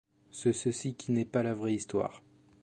Ce ceci qui n’est pas la vraie Histoire.